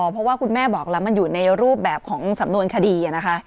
เพราะว่าคุณแม่บอกแล้วมันอยู่ในรูปแบบของสำนวนคดีนะคะ